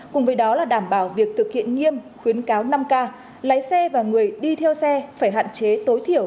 cùng với đó là đảm bảo việc thực hiện nghiêm khuyến cáo năm k lái xe và người đi theo xe phải hạn chế tối thiểu